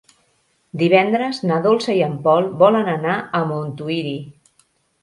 Divendres na Dolça i en Pol volen anar a Montuïri.